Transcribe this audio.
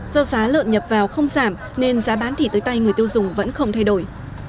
do giá lợn nhập vào không giảm nên giá bán thịt tới tay người tiêu dùng vẫn không thay đổi